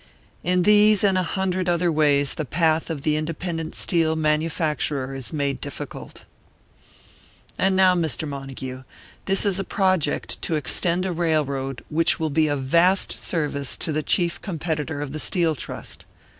In these and a hundred other ways, the path of the independent steel manufacturer is made difficult. And now, Mr. Montague, this is a project to extend a railroad which will be of vast service to the chief competitor of the Steel Trust.